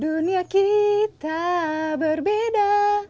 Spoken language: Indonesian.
dunia kita berbeda